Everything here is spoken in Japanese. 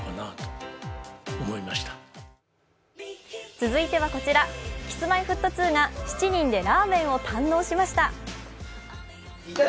続いてはこちら、Ｋｉｓ−Ｍｙ−Ｆｔ２が７人でラーメンを堪能しました。